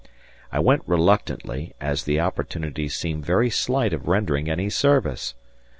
I went reluctantly as the opportunity seemed very slight of rendering any service.